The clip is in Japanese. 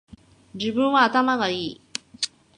自分は頭がいい